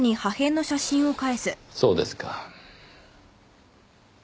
そうですか。